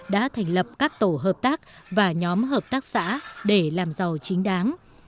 đã thành lập các tổ hợp tác và nhóm hợp tác xã để làm giàu chính đáng